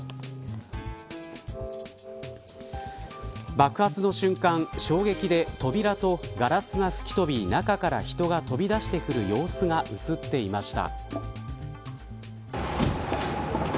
爆発の瞬間、衝撃で扉とガラスが吹き飛び中から人が飛び出してくる様子が映っていました。